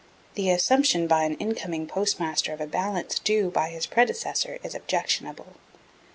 The assumption by an incoming Postmaster of a balance due by his predecessor is objectionable.